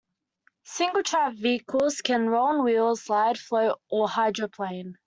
Single-track vehicles can roll on wheels, slide, float, or hydroplane.